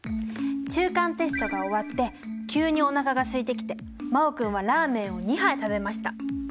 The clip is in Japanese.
中間テストが終わって急にお腹が空いてきて真旺君はラーメンを２杯食べました。